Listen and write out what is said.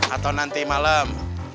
atau nanti malam